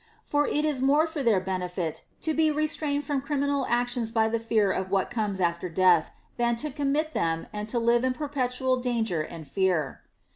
For it is more for their benefit to be re strained from criminal actions by the fear of what comes after death, than to commit them and then to live in per petual clanger and fear.